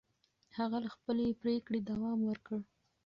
هغه له خپلې پرېکړې دوام ورکړ.